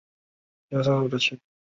该公司独立拥有北京定陵机场。